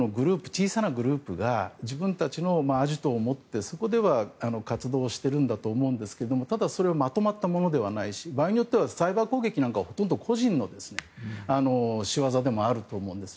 小さなグループが自分たちのアジトを持ってそこでは活動しているんだと思うんですけどただ、それはまとまったものではないし場合によってはサイバー攻撃なんかはほとんど個人の仕業でもあると思うんです。